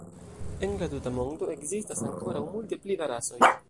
En la tuta mondo ekzistas ankoraŭ multe pli da rasoj.